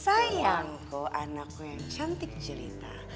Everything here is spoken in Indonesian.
sayangku anakku yang cantik cerita